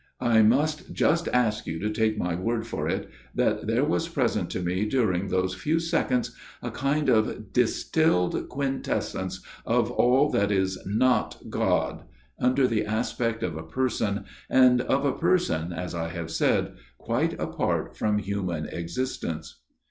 I must just ask you to take my word for it that there was present to me during those few seconds a kind of distilled Quintessence of all that is Not God, under the aspect of a person, and of a person, as I have said, quite apart from human existence."